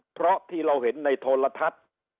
เพราะที่เราเห็นในโทรทัศน์